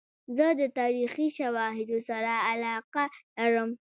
زه د تاریخي شواهدو سره علاقه لرم.